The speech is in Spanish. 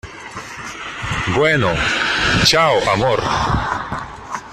bueno. chao, amor .